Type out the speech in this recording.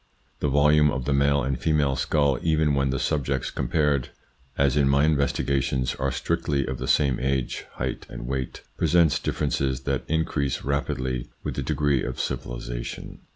The volume ot the male and female skull, even when the subjects compared, as in my investigations, are strictly of the same age, height, and weight, presents differences that increase rapidly with the degree of civilisation.